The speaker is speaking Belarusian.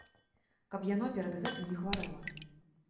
Каб яно перад гэтым не хварэла.